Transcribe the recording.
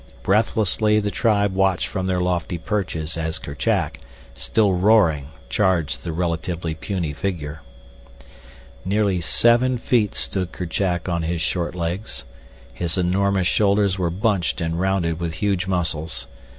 Breathlessly the tribe watched from their lofty perches as Kerchak, still roaring, charged the relatively puny figure. Nearly seven feet stood Kerchak on his short legs. His enormous shoulders were bunched and rounded with huge muscles.